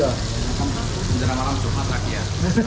jangan malam malam coklat lagi ya